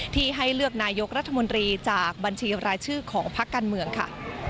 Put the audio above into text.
ให้เลือกนายกรัฐมนตรีจากบัญชีรายชื่อของพักการเมืองค่ะ